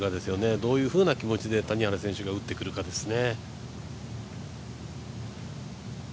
どういうふうな気持ちで谷原選手が打ってくるかですね。